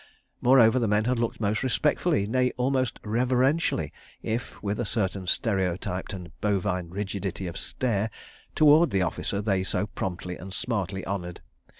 Moreover, the men had looked most respectfully, nay, almost reverentially, if with a certain stereotyped and bovine rigidity of stare, toward the officer they so promptly and smartly honoured.